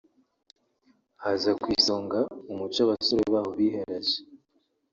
haza ku isonga umuco abasore baho biharaje